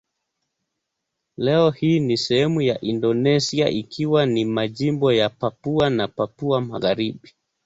Leo hii ni sehemu ya Indonesia ikiwa ni majimbo ya Papua na Papua Magharibi.